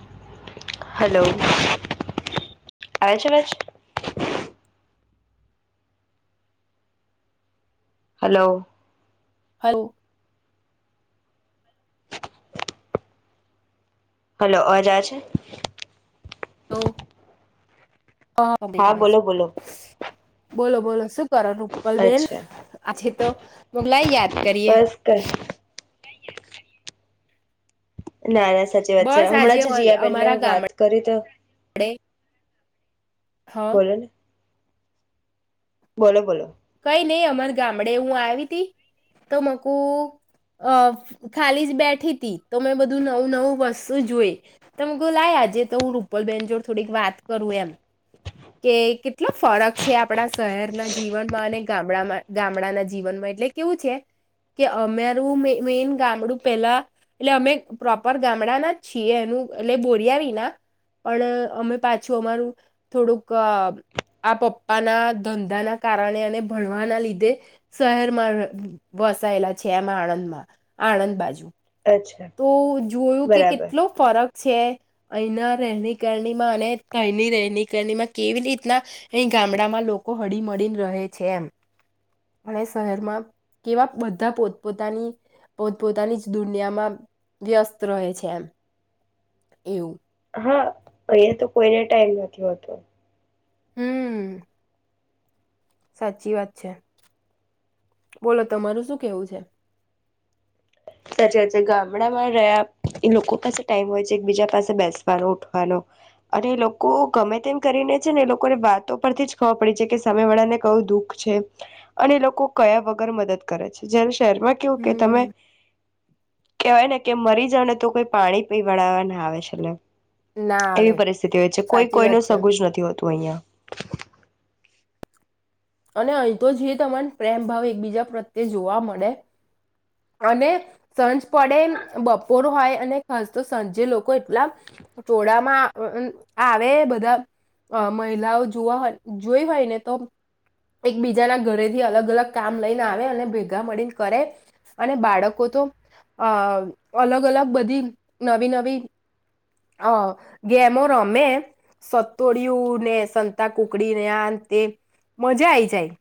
[inaudible] Hello આવે છે આવજ હલો હ હલો અવાજ આયે છે હલો હા બેઠ આવે છે બોલો બોલો બોલો બોલો શુ કરો રૂપપલ બેેન અચ્છા આછી તો મોગલાય યાદ કરીએ બસ કઈ ના ના સાચી વાત છે બસ આજે હમણાં જે જિયાબેનને વાત કરી તો આપડે બોલો ને બોલો બોલો. કઈ નહી અમાર ગામડે હું આવી ત, તો મક ખાલી જ બેઠી હતી તો મેં બધું નવું નવું વસ્તુ જોઈ, તો મેં કીધું લાય આજે તો હું રૂપલબેન જોડ થોડીક વાત કરું એમ, કે કેટલો ફરક છે આપણા શહેરના જીવન મ ગામડાના જીવનમાં એટલે કેવું છે, કે અમેરું મેન ગામડું પેલા એટલે અમે પ્રોપર ગામડા ના જ છીએ એનું એટલે બોરિયા આવી ના, પણ અમે પાછું અમારું થોડુંક આ પપ્પા ના ધંધા ના કારણે ભણવાના લીધે શહેરમાં વસાયેલા છે, એમ આણંદમાં આણંદ બાજુ અચ્છા તો જોયું કે બરાબર કેટલો ફરક છે, અહીંના રહેની કરણીમાં અને અહીની રહેની કરણીમાં કેવી રીતના, અ ગામડામાં લોકો હળી મળીને રહે છે એમ, અને શહેરમાં કેવા બધા પોતપોતાની પોતપોતાની જ દુનિયામાં વ્યસ્ત રહે છે એમ, એવું. હા અહીયાં તો કોઈને ટાઈમ નથી હોતો. હમ. સાચી વાત છે, બોલો તમારું શું કેવું છે? સાચી વાત છે ગામડામાં રહ્યા એ લોકો પાસે ટાઈમ હોય છે એકબીજા પાસે બેસવાનો ઉઠવાનો, અને લોકો ગમે તેમ કરીને છે ને એ લોકોને વાતો પરથી જ ખબર પડીે છે કે સામે વાળાને કયું દુઃખ છે, અને લોકો કયા વગર મદદ કરે છે જે શહેરમાં કેવું કે તમે હમ કહેવાયને કે મરી જઓ ને તો કોઈ પાણી પીવડાવા ના આવે છે. ના આવે એવી પરિસ્થિતિ હોય છે કોઈ સાચી વાત કોઈનું છે સગું જ નથી હોતું અહિયાં. અને અહીં તો જે તમાને પ્રેમ ભાવ એકબીજા પ્રત્યે જોવા મળે અને સાંજ પડે બપોર હોય અને ખાસ તો સાંજે લોકો એટલા ટોળામાં આવે બધા મહિલાઓ જોવા જોઈ હોયને તો એકબીજાના ઘરેથી અલગ અલગ કામ લઈને આવે અને ભેગા મળીને કરે. અને બાળકો તો, અ અલગ અલગ બધી નવી નવી અ ગેમો રમે, સતોડીયુંને સંતા કુકડીને આ તે મજા આઈ જાય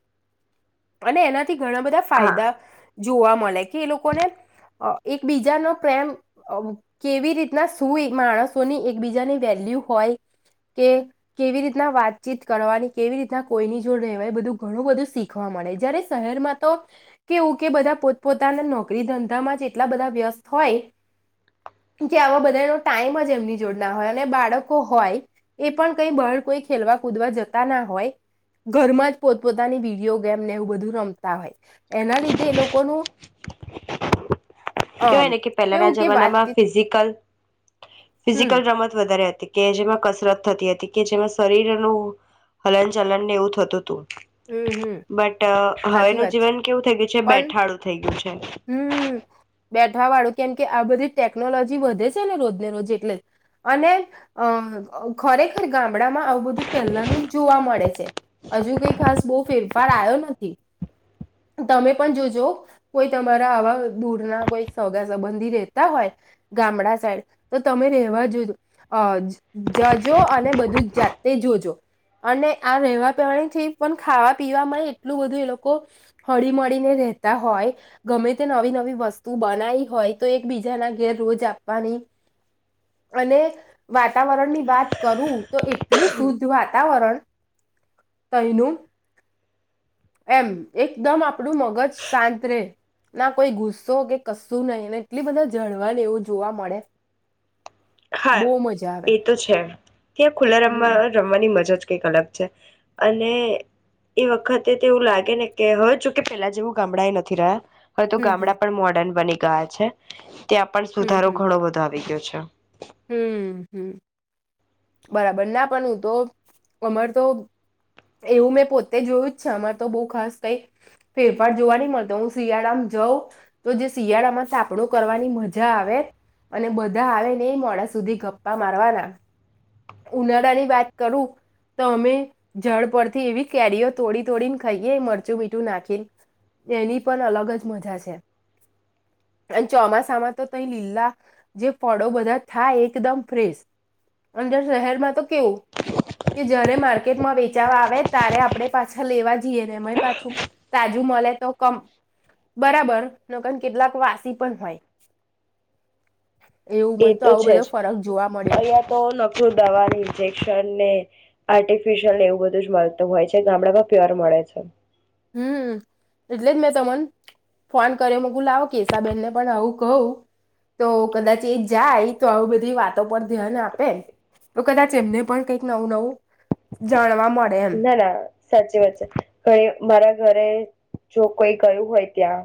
અને એના થી ઘણા બધા ફાયદા હા જોવા મળે. કે લોકો ને એકબીજાનો પ્રેમ કેવી રીતના શું માણસોની એકબીજાની વેલ્યુ હોય, કે કેવી રીતના વાતચીત કરવાની કેવી રીતના કોઈની જોડ રહેવાય બધું ઘણું બધું શીખવા મળે જયારે શહેરમાં તો, કેવું કે બધા પો પોતાના નોકરી ધંધામાં જ એટલા બધા વ્યસ્ત હોય, કે આવા બધાનો ટાઈમ જ એમની જોડ ના હોય અને બાળકો હોય, એ પણ કઈ બહાર કોઈ ખેલવા કૂદવા જતા ના હોય, ઘરમાં જ પોત પોતાની વિડીયો ગેમને એવું બધું રમતા હોય, એના લીધે એ લોકોનું કેવાય અમ ને કે પહેલાના કેવું કે જમાનામાં વાતચીત ફિઝિકલ હમ ફિઝિકલ રમત વધારે હતી. કે જેમાં કસરત થતી હતી કે જેમાં શરીરનું હલન ચલન ને એવું થતું હતું. હમ હમ બટ સાચી હવેનું વાત છે જીવન કેવું થઈ ગયું પણ બેઠાડું થઈ. [inaudible] હમ, બે વાળું કેમ કે આ બધી ટેકનોલોજી વધે છે ને રોજને રોજ એટલે, અને ખરેખર ગામ ગામડામાં આવું બધું પહેલાનું જોવા મળે છે. હજુ કઈ ખાસ બહુ ફેરફાર આવ્યો નથી, તમે પણ જોજો કોઈ તમારા આવા દૂરના કોઈ સોગા સંબંધી રહેતા હોય ગામડા સાઈડ તો તમે રહેવા જોજ જજો અને બધું જાતે જોજો અને આ રહેવા પહેવાની છે પણ ખાવા પીવા એટલું બધું એ લોકો હળી મળળીને રહેતા હોય ગમે તે નવી નવી વસ્તુ બનાવી હોય તો એકબીજાના ઘેર રોજ આપવાની અને વાતાવરણની વાત કરું તો એટલું શુદ્ધ વાતાવરણ તનું. એમ એકદમ આપણું મગજ શાંત રે ના કોઈ ગુસ્સો કે કશું નહીં એટલી બધા ઝાડવાને એવું જોવા મળે. હા બહુ મજા આવે એ તો છે ત્યાં ખુલ્લા રમવા હમ રમવાની મજ જ. અલગ છે અને એ વખતે તે એવું લાગે ને કે હોવે જોકે પેલા જેવું ગામડા એ નથી રહ્યા. હવે તો હમ હમ ગામડા પણ મોડર્ન બની ગયા. ગા છે. ત્યાં પણ સુધારો ઘણો બધો આવી ગયો છે. [unintelligible] હમ્મ હમ્મ હમ્મ બરાબર, ના પણ હું તો અમાર તો એવું મેં પોતે જોયું જ છે. અમાર તો બઉ ખાસ કઈ ફેરફાર જોવા નહી મળતો. હું શિયાળામાં જાઉં તો જે શિયાળામાં સાાપડું કરવાની મજા આવે અને બધા આવે મે મોડા સુધી ગપ્પા મારવાના. ઉનાળાની વાત કરું તો અમે જળ પરથી એવી કેરીઓ તોડી તોડીને ખાઈએ મરચું મીઠું નાખીને એની પણ અલગ જ મજા છે અને ચોમાસામાં તો તઈ લીલા જે ફળો બધા થાય એકદમ ફ્રેશ અંદર શહેરમાં તો કેવું કે જયારે માર્કેટમાં વેચાવા આવે ત્યારે આપણે પાછા લેવા જઈએ ને અ પાછું તાજું મળે તો કમ બરાબર ન કેટલાક વાસી પણ હોય. એવું મને તો આવો બધો ફરક જોવા મળ્યો. દવા, ઇન્જેક્શન ને, આર્ટિફિશયલને એવું બધું જ મળતું હોય છે. ગામડામાં પ્યોર મળે છે. હમ્મ એટલે જ મેં તમન ફોન કર્યો મોકુલાવો કેશાબેનને પણ આવું કહું તો કદાચ એ જાય તો આવી બધી વાતો પર ધ્યાન આપે તો કદાચ એમને પણ કઈક નવું નવું જાણવા મળે એમ ના ના સાચી વાત છે. ગ મારા ઘરે જો કોઈ ગયું હોય ત્યાં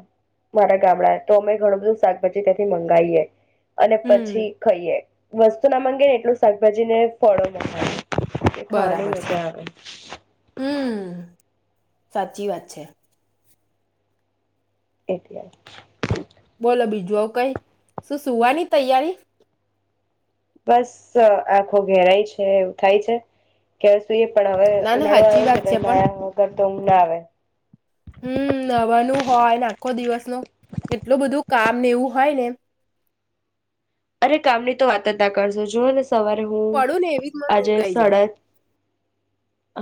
મારા ગામડા તો અમે ઘણું બધું શાકભાજી ત્યાંથી મંગાવીએ. અને હમ પછી ખાઈએ. વસ્તુ ના માંગે ને એટલું શાકભાજી ને ફળો મંગાવે. ખાવાની મજા આવે. હમ્મ. સાચી વાત છે. એટલેજ. બોલો બીજું અવ કઈ શું સુવાની તૈયારી? બસ આખો ઘેરાય છે એવું થાય છે કે સુઈએ પણ હવે ના ના ઉનાળો સાચી આવ્યો છે વાત પણ નાવા વગર તો ઉંઘ ના આવે. હો એને આખો દિવસ નું એટલું બધું કામને એવું હોય ને અરે કામની તો વાત જ ના કરશો જુઓ ને સવાર હું પડું ને એવી જ મને આજે ઊંઘાઈ જાય સાડા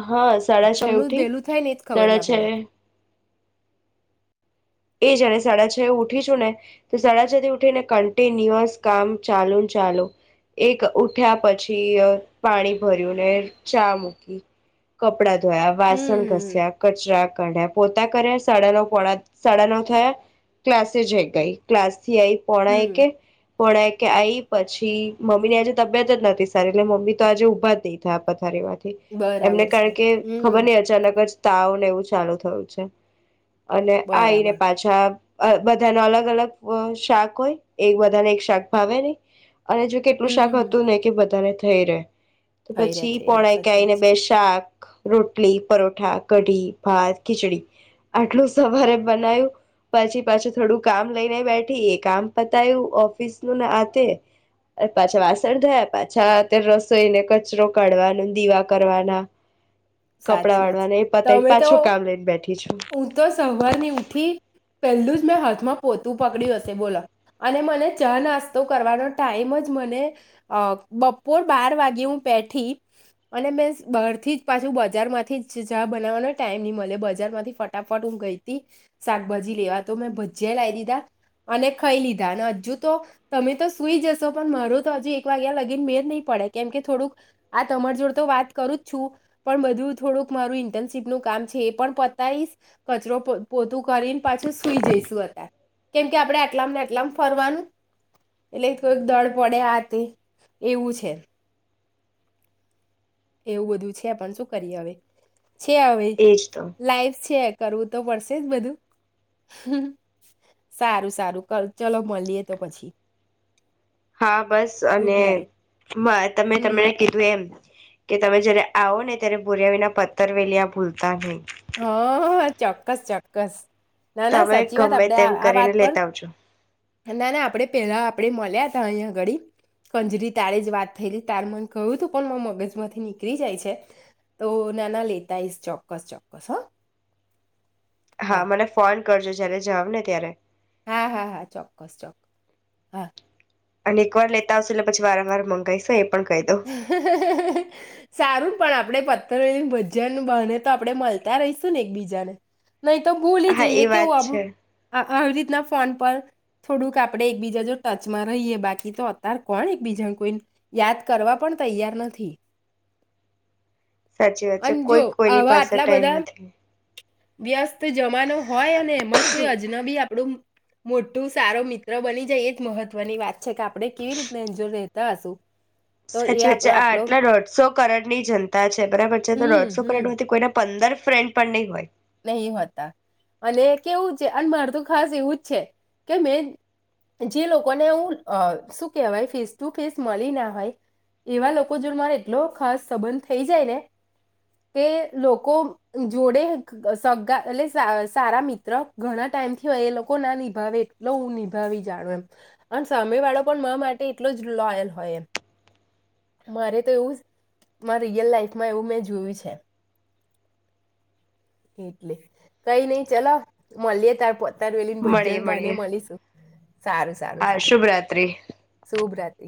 હા સાડા છ એ તમનું ઉઠી વહેલું થાય ને એજ ખબર સાડા ના છ પડે એ એ જાણે સાડા છ એ ઉઠી છું ને તો સાડા છ થી ઉઠી ને કન્ટિન્યુઅસ કામ ચાલુ ને ચાલો એક ઉઠ્યા પછી અ પાણી ભર્યું ને, ચા મૂકી, કપડા ધોયા, વાસણ હમ ઘસ્યા, કચરા કઢ્યા પોતા કર્યા સડલો પોણા સાડા નવ થયા ક્લાસે જઈ ગઈ ક્લાસ સિયાઈ પોણા હમ એકે પોણા એકે આઈ પછી મમ્મી ની આજે તબિયત જ નથી સારી એટલે મમ્મી તો આજે ઉભા જ નહી થયા પથારી માંથ એમને બરાબર છે કારણ કે ખબર હમ નઈ અચાનક જ તાવ એવું ચાલુ થયું છે અને આયરે બરાબર પાછાબ બધા ન અલગ અલગ શાક હોય, એક બધાને એક શાક ભાવે નઈ અને જો કેટલું શાક હમ હમ હતું ને કે વધારે થઈ રેહ તો થઈ રે પછી થઈ રે પોના એકે સત્ય આવીને બે શાક રોટલી, પરોઠા, કઢી, ભાત, ખીચડી આટલું સવારે બનાય્યું પછી પાછી થોડું કામ લઈને બેઠી એ કામ પતાયું ઓફિસ નું આતે, પાછા વાસણ ધોયા, પાછા તે રસોઈને કચરો કાઢવાનો, દીવા કરવાના કપડાં સાચી વાત છે. વાળવાના એ પતાય તમે તો પાછું કામ લઈને બેઠી છું. થી પહેલુંજ મેં હાથમાં પોતું પકડ્યું હશે બોલો અને મને ચ નાસ્તો કરવાનો ટાઈમ જ મને બપોર બાર વાગે હું બેઠી અને મે બરથી જ પાછું બજાર માંથીજ ચાહ બનાવવાનો ટાઈમ નહી મળે, બજારમાંથી ફટાફટ હું ગઈ હતી શાકભાજી લેવા તો મેં ભજીયા લાઈ દીધા અને ખાઈ લીધા અને હજુ તો તમે તો સુઈ જશો પણ મારો તો હજુ એક વાગ્યા લગી મેળ ની પડે, કેમ કે થોડુંક આ તમાર જોડે તો વાત કરું જ છું, પણ બ થોડુંક મારું ઇન્ટર્નશીપનું કામ છે એ પણ પતાઈશ, કચરો પોતું કરીને પાછું સુઈ જઈશું હું ત્યારે કેમ કે આપડે આટલાને આટલામ ફરવાનું એટલે થોડક દડ પડે આ તે એવું છે એવું બધું છે, પણ શું કરીએ હવે છે હવે, એજ તો લાઈફ છે. કરવું તો પડશેજ બધું. સારું સારું ચલો મળીએ તો પછી હા, બસ ગુડ અને નાઈટ તમે હમ તમને કીધું એમ કે તમે જયારે આવો ને ત્યારે ભુર્યા વિના પથર વેલી્યા ભૂલતા નઈ. હા, ચોક્કસ ચોક્કસ ના ના તમે સાચી વાત ગમે તેમ કરીને લેતા આવજો. નાના આપડે પેલા આપડે માલીયા હતા અહીંયા અગાડી, કંજરી તારે જ વાત થઈ તારે મને કહું તું પણ મગજ માંથી નીકળી જાય છે, તો નાના લેતાઈશ ચોક્કસ ચ કસ હા હા, મને ફોન કરજો જયારે જાવ ને ત્યારે હા, હા, હા, ચોક્કસ ચોક હા અને એક વાર લેતા આવશે એટલે પછી વારંવાર મંગાવાઈશ સારું પણ આપ આપડે પથ્થરોું ભજન બને, તો આપડે મલતા રહીશું ને એકબીજાને નહી તો ભૂલી હા જઈએ એ કેવું વાત આપડુ, છે હા. આવી રીતના ફોન પર થોડુંક આપડે એકબીજા જો ટચમાં રહીએ, બાકી તો અત્યારે કોણ એકબીજાને કોઈ યાદ કરવા પણ તૈયાર નથી સાચી વાત છે, અને જો કોઈ કોઈની આવા પાસે આટલા ટાઈમ બધા નથી. વ્યસ્ત તો જમાનો હોય અને એમાં જ કોઈ અજન બી આપડુ મોટું સારો મિત્ર બની જાય એજ મહત્વની વાત છે, કે આપણે કેવી રીતના એની જોડે રહેેતા હશુ. સાચી વાચ્ચે આ આટલા દોઢસો કરોડની જનતા છે, બરાબર છે, તો હમ દોઢસો હમ કરોડ માંથી કોઈને પંદર ફ્રેન્ડ પણ નહીં હોય. નહી હોતા અને કેવું છે અને માર તો ખાસ એવુંજ છે કે મેં જે લોકોને હું શું કેહેવાય ફેસ ટુ ફેસ મલી ના હોય, એવા લોકો જોડે મારે એટલો ખાસ સંબંધ થઈ જાય ને કે લોકો જોડે સગગા એટલે સારા મિત્ર ઘણા ટાઈમ થી હોય એ લોકો ના નિભાવે એટલો હું નિભાવી જાણ એમ અને સામે વાળો પણ મા માટે એટલો જ લોયલ હોય એમ, મારે તો એવું રિયલ લાઈફમાં એવું મેં જોયું છે. એટલે, કઈની ચલો મલીએ તાર પોતે. તાર વેલીન મળીએ ભજન બાને મળીએ મલીશું સારું, સારું, હા સારું. શુભરાત્રી સૂભરાત્રિ.